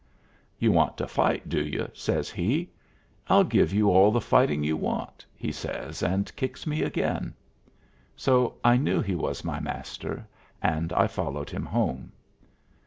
"You want to fight, do you?" says he. "I'll give you all the fighting you want!" he says, and he kicks me again. So I knew he was my Master, and I followed him home.